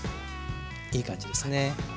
いい感じですね。